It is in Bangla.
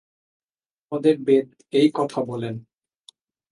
তোমাদের বেদ এই কথা বলেন।